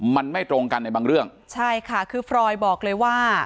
มันไม่ตรงกันในบางเรื่องใช่ค่ะคือฟรอยบอกเลยว่า